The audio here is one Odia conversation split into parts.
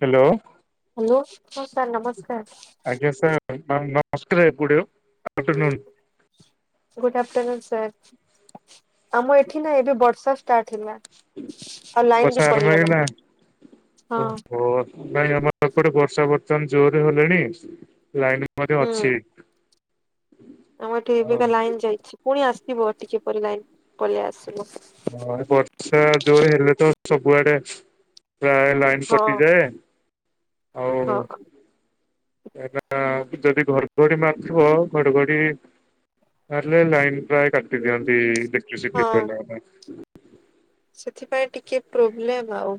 ହ୍ୟାଲୋ। ହ୍ୟାଲୋ ହ ସାର୍ ନମସ୍କାର। ଆଜ୍ଞା ସାର୍ ମାମ ନମସ୍କାର [inaudible] ଆଫ୍ଟର ନୁନ ଗୁଡ ଆଫ୍ଟରନୁନୁ ସାର୍ ଆମ ଏଠି ନା ଏବେ ବର୍ଷା ଷ୍ଟାର୍ଟ ହେଲା। ଆଉ ଲାଇନ୍ ବର୍ଷା ବି ଆରମ୍ଭ ପଳିଗଲା ହେଇଗଲା? ହଁ। ଓହୋ ନାଇଁ ଆମର ଏପଟେ ବର୍ଷା ବର୍ତ୍ତମାନ ଜୋରରେ ହେଲେଣି ଲାଇନ ମଧ୍ୟ ହୁଁ ଅଛି। ଆମ ଏଠି ଆଉ ଏବେକା ଲାଇନ୍ ଯାଇଛି ପୁଣି ଆସିବ ଟିକେପରେ ଲାଇନ ପଳି ଆସିବ। ହଁ ବର୍ଷା ଜୋରେ ହେଲେ ତ ସବୁଆଡେ ପ୍ରାୟ ଲାଇନ ହଁ କଟିଯାଏ ଆଉ ହଁ ଏରା ଯଦି ଘଡଘଡି ମାରଥିବ ଘଡଘଡି ତାହାଲେ ଲାଇନ୍ ପ୍ରାୟ କାଟଦିଅନ୍ତି ଦେଖିଶିଏ ହଁ ଫିବେଲ। ସେଥିପାଇଁ ଟିକେ ପ୍ରୋବ୍ଲେମ ଆଉ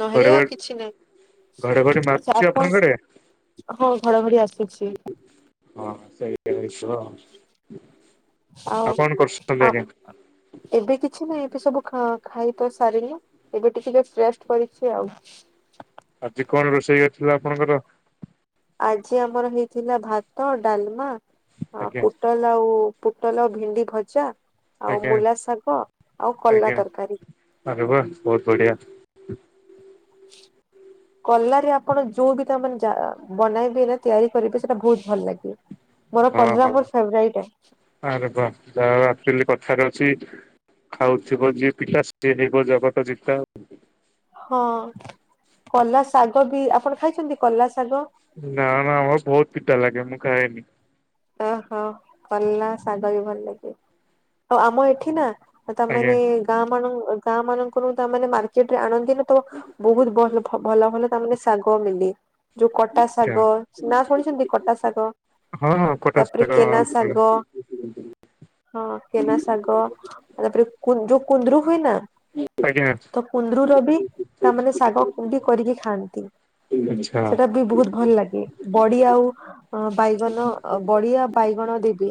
ନହେଲେ ଆଉ ଘଡଘଡି କିଛି ନାଇ। ଘଡଘଡି ଆଛା ମାରୁଛି ଆପଣ ଆପଣଙ୍କ ଆଡେ? ହଁ ଘଡଘଡି ଆସୁଛି। ହଁ ସେଇ ଟାଇପ୍ ର [unintelligible] ଆଉ କରୁଛନ୍ତି ଅ ଆଜ୍ଞା? ଏବେ କିଛି ନାହିଁ ଏବେ ସବୁ ଖା ଖାଇବା ସାରିଲେ। ଏବେ ଟିକେ ରେଷ୍ଟ କରିଛି ଆଉ। ଆଜି କଣ ରୋଷେହେଇଥିଲା ଆପଣଙ୍କର? ଆଜି ଆମର ହେଇଥିଲା ଭାତ ଡାଲମା ଆଜ୍ଞା ପୁଟଲ ଲାଉ ପୁଟଲ ଭେଣ୍ଡି ଭଜା ଆଉ ଆଜ୍ଞା ମୂଲା ଶାଗ ଆଉ ଆଜ୍ଞା କଲା ତରକାରୀ। ଆରେ ବା ବହୁତ ବଢିଆ। କଲାରେ ଆପଣ ଯୋଉ ବି ତା ମାନେ ଯା ବନାଇବେ ନା ତିଆରି କରିବେ ସେଇଟା ବହୁତ ଭଲ ଲାଗିବ। ମୋର ହଁ କଲରା ହଁ। ବହୁତ୍ ଫେବ୍ରାଇଟ ଏ। ଆରେ ବା ଯାହା ହୋଉ ଆକଚୁଆଲି କଥାରେ ଅଛି ଖାଉଥିବ ଯିଏ ପିତା ସିଏ ହେବ ଜଗତ ଜିତା ଆଉ। ହଁ କଲା ଶାଗ ବି ଆପଣ ଖାଇଛନ୍ତି କଲା ଶାଗ? ନା ନା ଆମର ବହୁତ ପିଟା ଲାଗେ ମୁଁ ଖାଏନି। ଓହୋ କଲା ଶାଗ ବି ଭଲ ଲାଗେ ଆଉ ଆମ ଏଠି ନା ଆଜ୍ଞା ତାମାନେ ଗାଁ ମାନଙ୍କୁ ଗାଁ ମାନଙ୍କରୁ ତାମାନେ ମାର୍କେଟ ରେ ଆଣନ୍ତିନି ତ ବହୁତ ଭଲ ଭଲ ଭଲ ତା ମାନେ ଶାଗ ମିଲେ। ଯୋଉ କଟା ଆଛା ଶାଗ ନାଁ ଶୁଣିଛନ୍ତି କଟା ଶାଗ? ହଁ ହଁ। ଖଟା ତାପରେ ଶାଗ କେନା ଫଳ। ସାଗ। ହଁ କେନା ଶାଗ ତାପରେ କୁ ଯୋଉ କୁନ୍ଦ୍ରୁରୁ ହୁଏ ନା? ଆଜ୍ଞା। ତ କୁନ୍ଦୁରୁର ବି ତାମାନେ ଶାଗ କରିକି ଖାଆନ୍ତି। ଆଚ୍ଛା। ସେଟା ବି ବହୁତ ଭଲ ଲାଗେ ବଡି ଆଉ ବାଇଗଣ। ଆଉ ବଡି ଆଉ ବାଇଗଣ ଦିଦି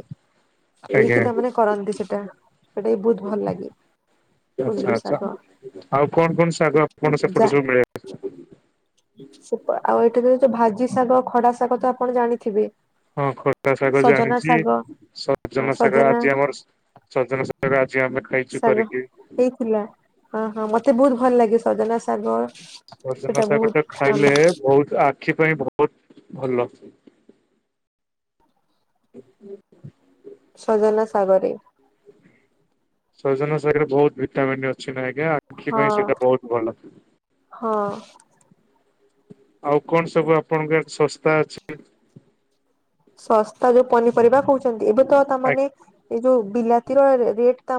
ଦେଇକି ତା ଆଚ୍ଛା ମାନେ କରନ୍ତି ସେଟା। ସେଇଟା ବି ବହୁତ ଭଲ ଲାଗେ। ଆଚ୍ଛା କୁନ୍ଦୁରୁ ଆଛା ଶାଗ ଆଉ କଣ କଣ ସାଗ କଣ ଯା ସେପଟ ସବୁ ମିଳେ? [unintelligible] ଆଉ ଏଇଠି ଯ ଯୋଉ ଭାଜି ଶାଗ ଖଡା ଶାଗ ତ ଆପଣ ଜାଣିଥିବେ। ହଁ ଖଟା ଶାଗ ସଜନା ଜାଣିଛି ଶାଗ ସଜନା ସାଗ ଆଜି ଆମର ସଜନା ଶାଗ ଆଜି ଆମେ ଖାଇଛୁ ଶାଗ କରିକି। ହେଇଥିଲା ହଁ ହଁ ମତେ ବହୁତ ଭଲ ଲାଗେ ସଜନା ଶାଗ। ସେଟା ଭଜନ ଶାଗ ଟା ଖାଇଲେ ବହୁତ ବହୁତ ଆଖି ପାଇଁ ବହୁତ ଭଲ। [inaudible] ସଜନା ସାଗରେ ସଜନ ସାଗରେ ବହୁତ ଭିଟାମନ୍ ଅଛି ନା ଆଜ୍ଞା ଆଖି ହଁ ପାଇଁ ସେଇଟା ବହୁତ ଭଲ। ହଁ। ଆଉ କଣ ସବୁ ଆପଣଙ୍କ ଆଡ଼େ ଶସ୍ତା ଅଛି? ଶସ୍ତା ଯୋଉ ପନିପରିବା କହୁଛନ୍ତି ଏବେ ତ ତାମାନେ ଏ ଯୋଉ ବିଲାତିର ରେଟ୍ ତ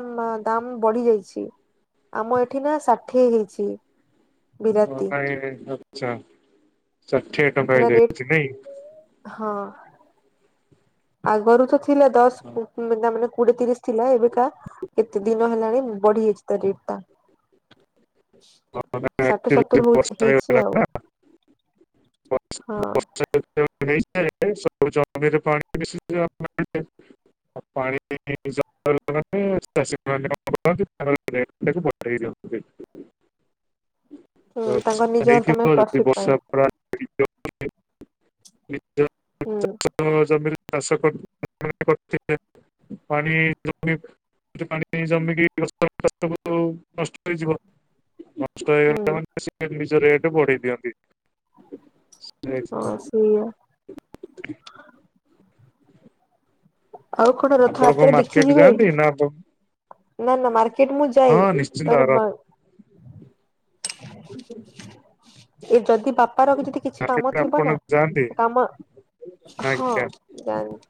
ଦାମ ବଢି ଯାଇଛି ଆମ ଏଠି ନା ଷାଠିଏ ହେଇଛି। ହ ବିଲାତି ନାଇଁ ଆଛା ଷାଠିଏ ଟଙ୍କା ସେଟା ହେଇ ରେଟ ଯାଇଛି ନାଇଁ। ହଁ। ଆଗରୁ ତ ଥିଲା ଦଶ ତା ମାନେ କୋଡିଏ ତିରିଶ। ଥିଲା ଏବେକା ଏତେ ଦିନ ହେଲାଣି ବଢିଯାଇଛି ତା ରେଟ୍ ଟା। ଷାଠ ସତୁରି ହ ବର୍ଷା ହେଇଛି ହେଇଗଲା ଆଉ। ନା ବର୍ଷା ହଁ। [unintelligible] [unintelligible] ହୁଁ ତାଙ୍କ ନିଜ ତମେ ହେଇଥିବ ଯଦି ପ୍ରଫିଟ ପାଇଁ ବର୍ଷା ପରା। ହୁଁ [unintelligible] ଜମିରେ ଚାଷ କରୁଥିବେ ପାଣି [unintelligible] [unintelligible] ହୁଁ [unintelligible] ନିଜ ରେଟ୍ ବଢ଼େଇ ଦିଅନ୍ତି। ସେଇୟା [inaudible] ଆଉ କଣ ଆପଣ କଣ ରଥଯାତ୍ରା ଦେଖି ମାର୍କେଟ ଯିବେ? ଯାଆନ୍ତି ନା ହଁ ନା ନା ମାର୍କେଟ ମୁ ଯାଏ ନିଶ୍ଚିନ୍ତ ତାର ବା ଏ ଯଦି ବାପାର ବି ଯଦି କିଛି କାମ ମାର୍କେଟ ଥିବ ନା ଆପଣ ଯାଆନ୍ତି ଏ କାମ ହଁ ଆଜ୍ଞା ଜାଣି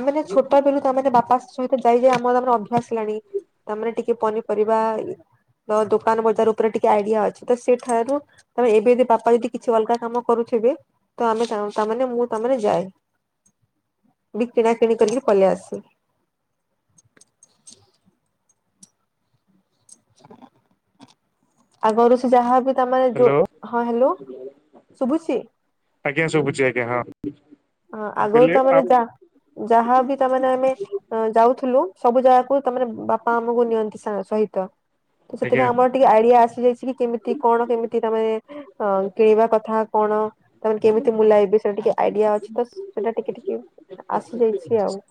ଆମେ ଛୋଟ ବିଲୁ ତମେ ବାପା ସହିତ ଯାଇଯାଇ ଆମର ଆମର ଅଭ୍ୟାସ ହେଲାଣି। ତାମରେ ଟିକେ ପନିପରିବା ଇ ତ ଦୋକାନ ବଜାର ଉପରେ ଟିକେ ଆଇଡିଆ ଅଛି ତ ସେଠାରୁୁ ତ ଏବେ ବି ବାପା ଯଦି କିଛି ଅଲଗା କାମ କରୁଥିବେ ତ ଆମେ ତାମାନେ ମୁଁ ତାମାନେେ ଯାଏ ବି କିଣା କିିଣି କରିକି ପଳେଇ ଆସେ। ଆଗରୁ ସେ ଯାହା ବି ତାମାନେ ଯୋଉ ହ୍ୟାଲୋ ହଁ ହ୍ୟାଲୋ ଶୁଭୁଛି। ଆଜ୍ଞା ଶୁଭୁଛି ଆଜ୍ଞା ହଁ। ହଁ ମୁଁ ଆଗରୁ କହିଲି ତମାନେ ଯା ଯାହା ବି ତାମାନେ ଆମେ ଅ ଯାଉଥିଲୁ ସବୁ ଜାଗାକୁ ତା ମାନେ ବାପା ଆମକୁ ନିଅନ୍ତି ସହିତ। ତ ଆଜ୍ଞା ସେଥିପାଇଁ ଆମର ଟିକେ ଆଇଡିଆ ଆସିଯାଇଛି କି କେମିତି କଣ କେମିତି ତମେ ଅ କିଣିବା କଥା କଣ? ତମାନେ କେମିତି ମୁଁଲାଇବି ସେଟା ଟିକେ ଆଇଡିଆ ଅଛି ତ ସେଇଟା ଟିକେ ଟିକେ ଆସିଯାଇଛି ଆଉ।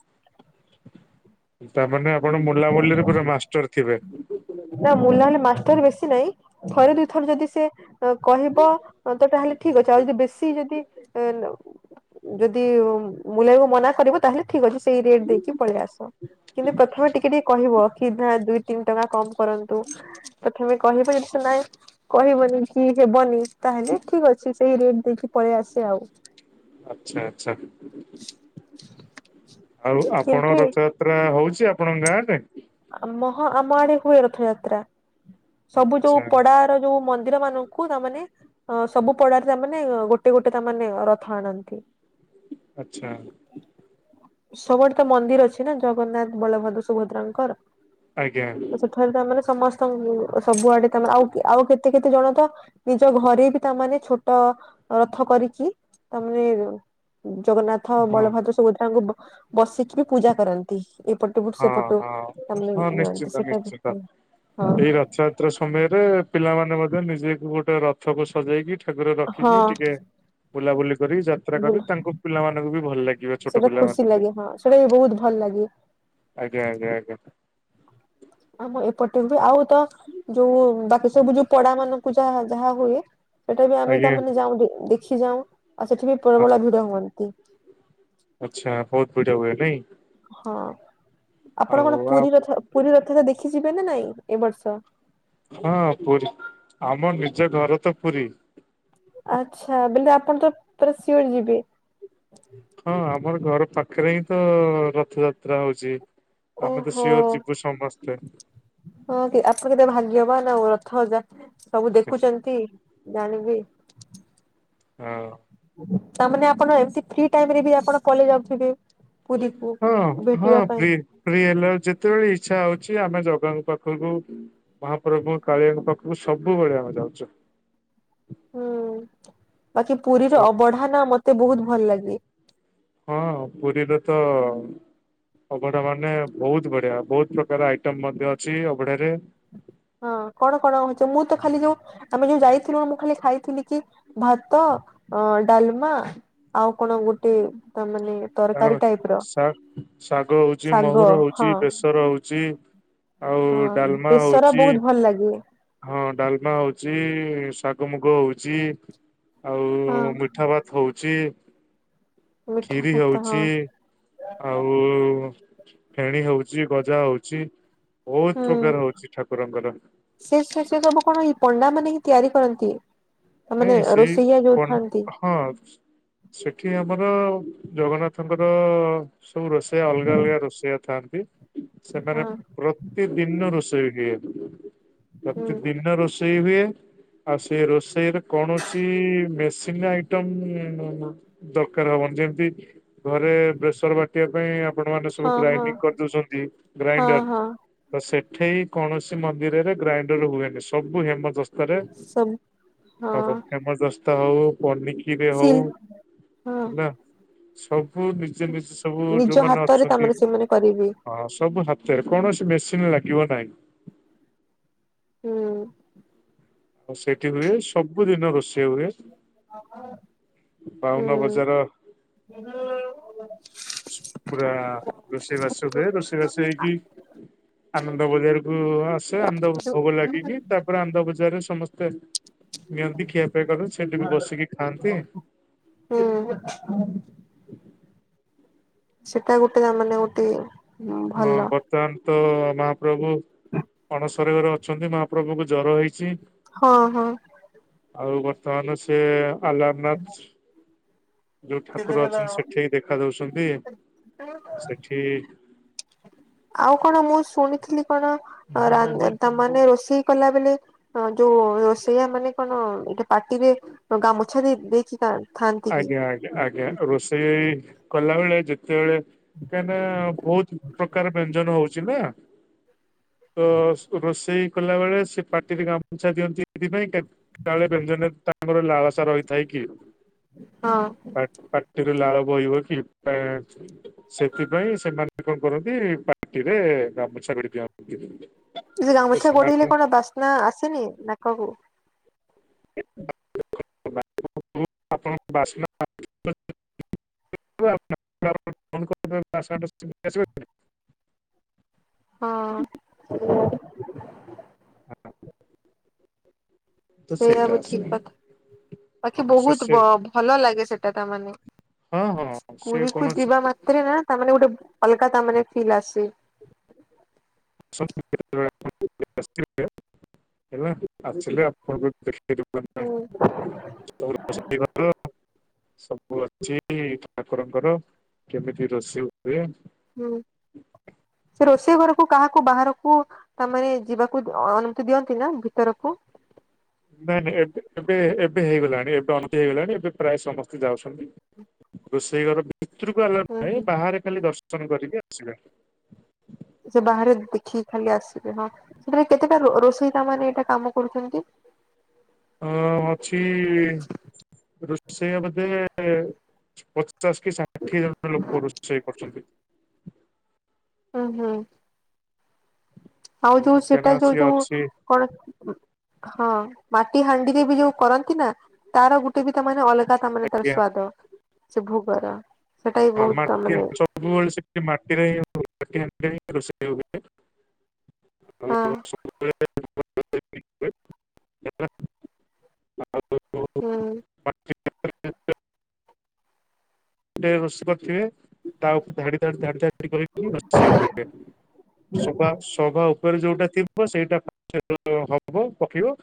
ତାମାନେ ଆପଣ ବୁଲାବୁଲିରେ ପୁରା ମାଷ୍ଟର ଥିବେ। ନା ମୁଁ ବୁଲାବୁଲି ମାଷ୍ଟର ବେଶୀ ନାହିଁ। ଥରେ ଦୁଇଥର ଯଦି ସେ କହିବ ତ ତାହେଲେ ଠିକ ଅଛି ଆଉ ଯଦି ବେଶୀ ଯଦି ହେଲେ ଯଦି ମୂଲେୟାକୁ ମନା କରିବ ତାହେଲେ ଠିକ ଅଛି। ସେଇ ରେଟ ଦେଇକି ପଳେଇ ଆସ। କିନ୍ତୁ ପ୍ରଥମେ ଟିକ କେ କହିବ କି ଧା ଦୁଇ ତିନି ଟଙ୍କା କମ କରନ୍ତୁ ପ୍ରଥମେ କହିବ ଯଦି ସେ ନାଇଁ ଠି କହିବନି କି ହେବନି ତାହେଲେ ଠିକ ଅଛି ସେଇ ରେଟ ଦେଇକି ପଳେଇ ଆସେ ଆଉ। ଆଚ୍ଛା ଆଚ୍ଛା। ଆଉ ଆପଣ କିନ୍ତୁ ଏ ରଥଯାତ୍ରା ହଉଛି ଆପଣଙ୍କ ଗାଁରେ? ଆମ ହଁ ଆମ ଆଡେ ହୁଏ ରଥଯାତ୍ରା। ସବୁ ଆଚ୍ଛା ଯୋଉ ପଡା ଯୋଉ ମନ୍ଦିର ମାନଙ୍କୁ ତାମାନେେ ଅ ସବୁ ପଡାରେ ଆମେ। ନାଇଁ ଗୋଟେ ଗୋଟେ ତା ମାନେ ରଥ ଆଣନ୍ତି। ଆଚ୍ଛା। ସବୁଆଡ଼ ତ ମନ୍ଦିର ଅଛି ନା ଜଗନ୍ନାଥ ବଳଭଦ୍ର ସୁଭଦ୍ରାଙ୍କର। ଆଜ୍ଞା। ତ ସେଠାରେ ତାମାନେ ସମସ୍ତ ସବୁଆଡେ ତା ମା ଆଉ ଆଉ କେତେ କେତେ ଜଣ ତ। ନିଜ ଘରେ ବି ତାମାନେେ ଛୋଟ ରଥ କରିକି ତାମାନେ। ଜଗନ୍ନାଥ ହଁ ବଳଭଦ୍ର ସୁଭଦ୍ରାଙ୍କୁ ବ ବସିକି ବି ପୂଜା କରନ୍ତି ଏପଟୁ ହଁ ସେପଟୁ। ହଁ ତାମାନେ ହଁ ନିଅନ୍ତି ନିଶ୍ଚିନ୍ତ ସେଟା ବି ନିଶ୍ଚିନ୍ତ ହଁ ଏଇ ର ଥଯାତ୍ରା ସମୟରେ ପିଲାମାନେ ମଧ୍ୟ ନିଜେକୁ ଗୋଟେ ରଥକୁ ସଜେଇକି। ଠାକୁର ହଁ ରଖିକି ଟିକେ। ବୁଲାବୁଲି କରି ଯାତ୍ରା ବୁଲ କରି ତାଙ୍କୁ ପିଲାମାନଙ୍କୁ ବି ଭଲ ଲାଗିବ ଛୋଟ ସେଟା ଖୁସି ପିଲାମାନଙ୍କୁ। ଲାଗେ ହଁ ସେଟା ବି ବହୁତ ଭଲ ଲାଗେ। ଆଜ୍ଞା ଆଜ୍ଞା ଆଜ୍ଞା। ଆମ ଏପଟେ ବି ଆଉ ତ। ଯୋଉ ବାକି ସବୁ ଯୋଉ ପଡା ମାନଙ୍କୁ ଯାହା ଯାହା ହୁଏ। ସେଟା ବି ଆମେ ଆଜ୍ଞା ତାମାନେ ଯାଉ ଯୋ ଦେଖି ଯାଉ ଆଉ ସେଠି ବି ହଁ। ପ୍ରବଳ ଭିଡ ହୁଅନ୍ତି। ଆଚ୍ଛା ବହୁତ ଭିଡ଼ ହୁଏ ନାଇଁ? ହଁ, ଆପଣ ଆଉ କଣ ପୁରୀ ରଥ ପୁରୀ ରଥ ଦେଖିଯିବେ ନା ନାଇଁ? ଏ ବର୍ଷ। ହଁ ପୁରୀ ଆମ ନିଜ ଘର ତ ପୁରୀ। ଆଚ୍ଛା ବେଲେ ଆପଣ ତ ପୁରା ସିଓର ଯିବେ। ହଁ ଆମର ଘର ପାଖରେ ହିଁ ତ ରଥଯାତ୍ରା ହଉଛି। ଆମେ ତ ଓହୋ। ସିଓର ଯିବୁ ସମସ୍ତେ। ହଁ କି ଆପଣ ତ ଭାଗ୍ୟବାନ ଆଉ ରଥ ଯା ସବୁ ଦେଖୁଛନ୍ତି ଜାଣିବି। ହଁ। ତାମାନେ ଆପଣ ଏମତି ଫ୍ରି ଟାଇମ ରେ ବି ଆପଣ କଲେ ଯାଉଥିବେ। ପୁରୀକୁ ହଁ ହଁ ଭେଟିବା ପାଇଁ ଫ୍ରି। ଫ୍ରି ହେଲେ ଯେତେବେଳେ ଇଚ୍ଛା ହଉଛି ଆମେ ଜଗାଙ୍କ ପାଖକୁ। ମହାପ୍ରଭୁ କାଳିଆଙ୍କ ପାଖକୁ ସବୁବେଳେ ଆମେ ଯାଉଛୁ। ହୁଁ ବାକି ପୁରୀର ସ- ଅବଢା ନା ମତେ ବହୁତ ଭଲ ଲାଗେ। ହଁ ପୁରୀରେ ତ। ଅଭଡା ମାନେ ବହୁତ ବଢିଆ ବହୁତ ପ୍ରକାର ଆଇଟମ ମଧ୍ୟ ଅଛି ଅଭଢାରେ। ହଁ କଣ କଣ ହଉଚ? ମୁଁ ତ ଖାଲି ଯୋଉ ଆମେ ଯୋଉ ଯାଇଥିଲୁ, ମୁଁ ଖାଲି ଖାଇଥିଲି କି, ଭାତ ଅ ଡାଲମା ଆଉ କଣ ଗୋଟେ ତା ମାନେ ତରକାରୀ ତାଙ୍କର ଟାଇପ ର ଶା ଶାଗ ହଉଚି, ଶାଗ ମହୁର ହଁ ହଉଚି, ବେସର ହଉଚି ହଁ ଆଉ ଡାଲମା ବେସର ହଉଚି ବହୁତ ଭଲ ଲାଗେ ହଁ ଡାଲମା ହଉଚି, ଶାଗ ମୁଗ ହଉଚି ହଁ ଆଉ ମିଠା ଭାତ୍ ହଉଚି। ମିଠା ଭାତ। ଚି, ହଁ ଆଉ ଫେଣୀ ହଉଚି, ଗଜା ହଉଚି ବହୁତ ହୁଁ ପ୍ରକାର ହଉଚି ଠାକୁରଙ୍କର। ସେ ସେ ସେ ସବୁ କଣ ଏଇ ପଣ୍ଡା ମାନେ ହିଁ ତିଆରି କରନ୍ତି? ମାନେ ନାଇଁ ସେଇ ରୋଷେଇଆ ଯୋଉ ପନ୍, ଥାନ୍ତି ହଁ। ସେଠି ଆମର ଜଗନ୍ନାଥଙ୍କର ସବୁ ରୋଷେଇଆ ଅଲଗା ଅଲଗା ରୋଷେଇଆ ଥାଆନ୍ତି, ସେମାନେ ହଁ ପୁରା ପ୍ରତିଦିିନ ରୋଷେଇ ହୁଏ, ହୁଁ ପ୍ରତିଦିନ ରୋଷ୍ ଷେଇ ହୁଏ, ଆଉ ସେ ରୋଷେଇର କୌଣସି ମେସିନ୍ ଆଇଟମ୍ ଦରକାର ହବନି, ଯେମ୍ ତି ଘରେ ବେସର ବାଟିବା ପାଇଁ ଆପଣ ମାନେ ସବୁ ହଁ ହଁ ଗ୍ରାଇଣ୍ଡିଙ୍ଗ୍ କରିଦଉଚନ୍ତି, ହଁ ଗ୍ରାଇଣ୍ଡର ହଁ ତ ସେଠେଇ କୌଣସି ମନ୍ଦିରରେ ଗ୍ରାଇଣ୍ଡର ହୁଏନି, ସବୁ ହେମଦସ୍ତାରେ ସବୁ ହଁ ହବ, ହେମଦସ୍ତା ହଉ, ପନିକିରେ ହଉ ସିଲ୍ ହଁ ହେଲା। ସବୁ ନିଜେ ନିଜେ ସବୁ, ନିଜ ଯୋଉମାନେ ହାତରେ ଅଛନ୍ତି, ତାମାନେ ସେମାନେ କରିବେ ଅ ସବୁ ହାତ୍ ତେରେ, କୌଣସି ମେସିନ୍ ଲାଗିବ ନାହିଁ। ହୁଁ। ଆଉ ସେଇଠି ହୁଏ, ସବୁଦିନ ରୋଷେଇ ହୁଏ। ଏ ମାମା? ବାଉନ ବଜାର ସେ ଘର ଓଳଉ [unintelligible] ପୁରା ରୋଷେଇବାସ ହୁଏ, ରୋଷେଇବାସ ହେଇକି ଆନନ୍ଦ ବଜାରକୁୁ ଆସେ, ଆନନ୍ଦ ଭୋଗ ଲାଗିକି, ତା ପରେ ଆନନ୍ଦ ବଜାରରେ ସମସ୍ତେ ନିଅନ୍ତି, ଖିଆପିଆ କଲେ, ସେଇଠି ବି ବସିକି ଖାଆନ୍ତି। ହୁଁ ସେଟା ଗୋଟେ ତା ମାନେ ଗୋଟେ ହଁ, ଭଲ ବର୍ ବର୍ତ୍ତମାନ୍ ତ ମହାପ୍ରଭୁ ଅଣସର ଘରେ ଅଛନ୍ତି, ମହାପ୍ରଭୁକୁ ଜର ହେଇଚି। ହଁ ହଁ। ଆଉ ବର୍ତ୍ତମାନ ସେ ଆଲାରନାଥ୍ ଯୋଉ ଠାକୁର ଅଛନ୍ତି ହଁ ସେଠି ଦେଖା ଦଉଚନ୍ତି, ସେଠି ଆଉ କଣ ମୁଁ ଶୁଣିଥିଲି କଣ, ରାନ୍ଧ୍, ତ ମାନେ ରୋଷଇ କଲା ବେଳେ ହ ଯୋଉ ରୋଷେଇଆ ମାନେ କଣ, ଏ ପାଟିରେ ଗାମୁଛା ଦେଇ ଦେଇକି [unintelligible] ଆଜ୍ଞା ଆଜ୍ଞା ଆଜ୍ଞା, ରୋଷେଇ କଲାବେଳେ, ଯେତେବେଳେ କାହିଁକି ନା, ବହୁତ ପ୍ରକାର ବ୍ୟଞ୍ଜନ ହଉଚି ନା? ତ ରୋଷେଇ କଲାବେଳେ ସେ ପାଟିରେ ଗାମୁଛା ଦିଅନ୍ତି ସେଇଥିପାଇଁ, କେ କାଳେ ବ୍ୟଞ୍ଜନରେ ତାଙ୍କର ଗୋଟେ ଲାଳସା ରହିଥାଏ କି? ହଁ। ପା ପାଟିରୁ ଲାଳ ବୋଇବ କି [unintelligible] ସେଥିପାଇଁ ସେମାନେ କଣ କରନ୍ତି, ପାଟିରେ ଗାମୁଛା ଭିଡି ଦିଅନ୍ତି। ଯୋଉ ଗାମୁଛା ଗୋଡ଼େଲେ ସେମାନେ କଣ ବାସ୍ନା ଆସେନି ନାକକୁ? [unintelligible] [unintelligible] ହଁ [unintelligible] ତ ସେଇଆ ସେଇଟା ବି ଆସେ ଠିକ କଥା ବାକି ସେ ବହୁତ ସେ ବ ଭଲ ଲାଗେ ସେଟା ତା ମାନେ। ହଁ ହଁ ସେ ପୁରୀକୁ କୌଣସି ଯିବା ମାତ୍ରେ ନା ତାମାନେ ଗୋଟେ ଅଲଗା ତା ମାନେ ଫିଲ୍ ଆସେ। [unintelligible] ହେଲା ଆସିଲେ ଆ ହୁଁ [unintelligible] ସବୁ ଅଛି ଠାକୁରଙ୍କର କେମିତି ରୋଷେଇ ହୁଏ। ହୁଁ ସେ ରୋଷେଇ ଘରକୁ କାହାକୁ ବାହାରକୁ ତାମାନେ ଯିବାକୁ ଆ ଅନୁମତି ଦିଅନ୍ତି ନା ଭିତରକୁ? ନାଇଁ ନାଇଁ ଏବେ ଏବେ ଏବେ ହେଇଗଲାଣି ଏବେ ଅନୁମତି ହେଇଗଲାଣି ଏବେ ପ୍ରାୟ ସମ ଯାଉଚନ୍ତି ରୋଷେଇ ଘର ଭିତରକୁ ଆଲାଉ ହୁଁ ହୁଁ। ନାହିଁ ବାହାରେ ଖାଲି ଦସ ନ କରିକି ଆସିବେ। ସେ ବାହାରେ ଦେଖିକି ଖାଲି ଆସିବେ ହଁ ସେଠାରେ କେତେଟା ରୋ ରୋଷେଇ ତା ମାନେ ଏଇଟା କାମ କରୁଚନ୍ତି? ହୁଁ ଅଛି ରୋଷେଇଆ ବୋଧେ ପଚ ପଚାଶ କି ଷାଠିଏ ଜଣ ଲୋକ ରୋଷେଇ କରୁଚନ୍ତି। ହୁଁ ହୁଁ। ଆଉ ଯୋଉ ସେଟା କାହିଁକିନା ଯୋଉ ସିଏ ଯୋଉ ଅଛି କଣ ହଁ ମାଟି ହାଣ୍ଡିରେ ବି ଯୋଉ କରନ୍ତି ନା ତାର ଗୋଟ ଟେ ବି ତା ମାନେ ଅଲଗା ତା ମାନେ ତାର ଆଜ୍ଞା ସ୍ଵାଦ ସେ ଭୋଗର। ସେଟା ବି ହଁ ବହୁତ ତା ମାଟି ମାନେ ହାଣ୍ଡି ସବୁବେଳେ ସେଠି ମାଟିରେ ହିଁ ମାଟି ହାଣ୍ଡି ରେ ରୋଷେଇ ହୁଏ। ହଁ [unintelligible] କରିଥିବେ [unintelligible] ହୁଁ। ଗୋଟେ ରୋଷେଇ କରିଥିବେ ତା ଉପରେ ଧାଡି ଧାଡି ଧାଡି [unintelligible] ସଭା ସଭା ଉପରେ ଯୋଉଟା ଥିବ ବ ସେଇଟା ଫାଷ୍ଟ ହବ ପକିବ।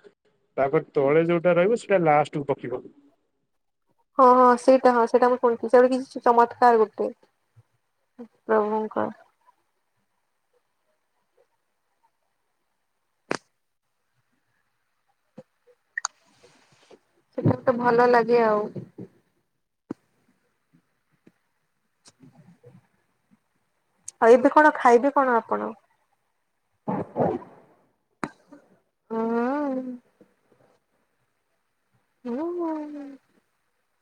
ତାପରେ ତଳେ ଯୋଉଟା ରହିବ ସେଟା ଲାଷ୍ଟକୁ ପକିବ। ହଁ ହଁ ସେଇଟା ହଁ ସେଇଟା ମୁଁ ଶୁଣିଥିଲି ସେଟା କିଛି ଚମତ୍କାର ଗୋଟେ। ପ୍ରଭୁଙ୍କର। ସେଟା ଗୋଟେ ଭଲ ଲାଗେ ଆଉ। ହ ଆଉ ଏବେ କଣ ଖାଇବେ କଣ ଆପଣ? ହୁଁ। ହୁଁ ହୁ ହୁଁ।